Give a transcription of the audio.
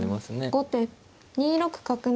後手２六角成。